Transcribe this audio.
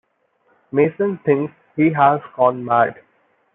Mason thinks he has gone mad.